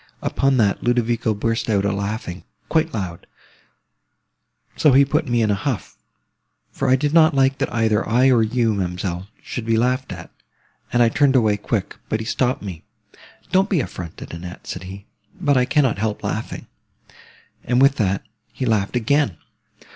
Upon that, Ludovico burst out a laughing, quite loud; so he put me in a huff, for I did not like that either I or you, ma'amselle, should be laughed at; and I turned away quick, but he stopped me. 'Don't be affronted, Annette,' said he, 'but I cannot help laughing;' and with that he laughed again.